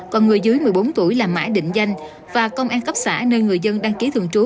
còn người dưới một mươi bốn tuổi là mã định danh và công an cấp xã nơi người dân đăng ký thường trú